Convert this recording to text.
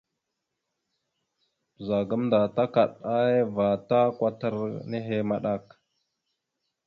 Ɓəza gamənda takaɗava ta kwatar nehe maɗak.